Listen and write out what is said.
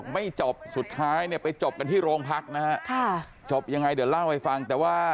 ไม่จบสุดท้ายเนี่ยไปจบกันที่โรงพักนะฮะค่ะจบยังไงเดี๋ยวเล่าให้ฟังแต่ว่า